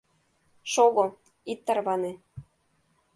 Шого, ит тарване!